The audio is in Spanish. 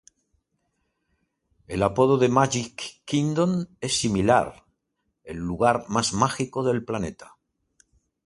El apodo de Magic Kingdom es similar: "el lugar más mágico del planeta".